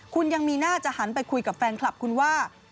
คุณยังมีหน้าจะหันไปคุยกับแฟนคลับคุณว่า